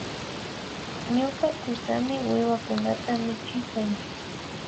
Ñuka kusami wiwakunata michikun